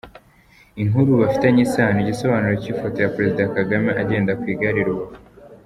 Inkuru bifitanye isano: Igisobanuro cy’ifoto ya Perezida Kagame agenda ku igare i Rubavu.